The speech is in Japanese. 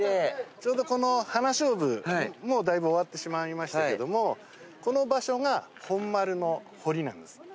ちょうどこのハナショウブもうだいぶ終わってしまいましたけどもこの場所が本丸の堀なんです。